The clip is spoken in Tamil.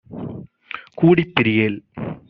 கூடிப் பிரியேல்.